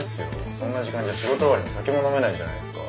そんな時間じゃ仕事終わりに酒も飲めないじゃないですか。